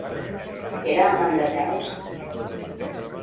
Era amant de Zeus?